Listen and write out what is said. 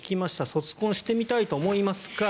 卒婚してみたいと思いますか？